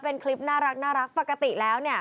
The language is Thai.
เป็นคลิปน่ารักปกติแล้ว